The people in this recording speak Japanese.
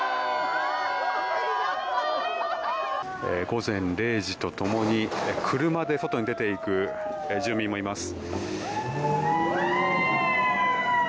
午前０時と共に車で外へ出ていく住民もいます。